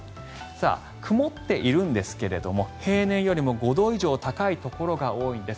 曇っているんですけれども平年よりも５度以上高いところが多いんです。